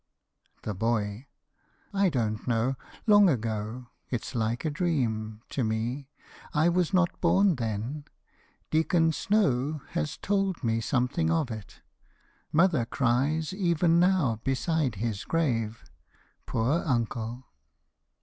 THE BOY. I don't know. Long ago; it's like a dream To me. I was not born then. Deacon Snow Has told me something of it. Mother cries Even now, beside his grave. Poor uncle!